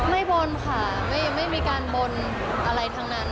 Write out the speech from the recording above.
บนค่ะไม่มีการบนอะไรทั้งนั้น